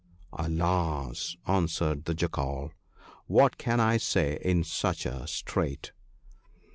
' Alas !' answered the Jackal, ' what can I say in such a strait